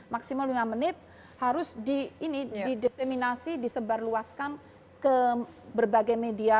maksimum lima menit harus di diseminasi disebarluaskan ke berbagai media